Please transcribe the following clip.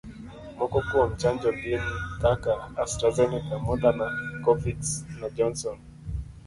Moko kuom chanjo gin kaka: Astrazeneca, Moderna, Covix na Johnson.